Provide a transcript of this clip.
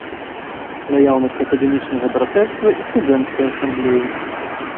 Наяўнасць акадэмічнага братэрства і студэнцкай асамблеі.